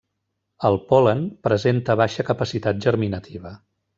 El pol·len presenta baixa capacitat germinativa.